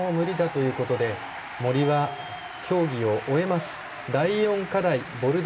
これはもう無理だということで森は競技を終えます。